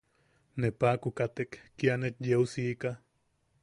Ne paʼaku katek kia net yeu siika.